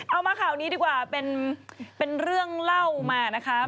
เอามาข่าวนี้ดีกว่าเป็นเรื่องเล่ามานะคะ